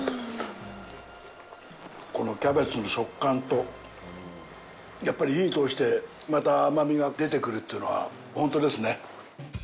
このキャベツの食感と、やっぱり火を通して、また甘みが出てくるというのはほんとですね。